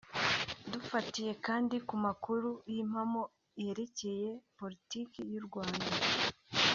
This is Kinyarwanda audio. *Dufatiye kandi ku makuru y’impamo yerekeye politiki y’u Rwanda